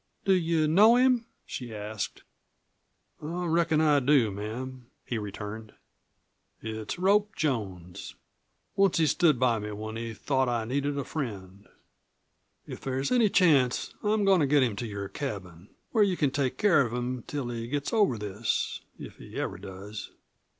"Do you know him?" she asked. "I reckon I do, ma'am," he returned. "It's Rope Jones. Once he stood by me when he thought I needed a friend. If there's any chance I'm goin' to get him to your cabin where you can take care of him till he gets over this if he ever does."